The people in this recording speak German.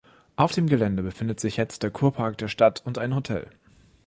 Auf dem Gelände befindet sich jetzt der Kurpark der Stadt und ein Hotel.